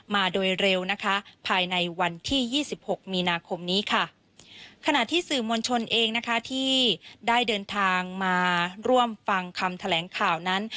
มาโดยเร็วนะคะภายในวันที่ยี่สิบหกมีนาคมนี้ค่ะขณะที่สื่อมวลชนเองนะคะที่ได้เดินทางมาร่วมฟังคำแถลงข่าวนั้น